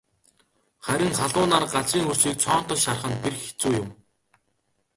Харин халуун нар газрын хөрсийг цоонотол шарах нь бэрх хэцүү юм.